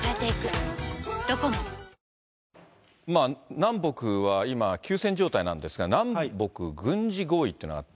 南北は今、休戦状態なんですが、南北軍事合意というのがあって。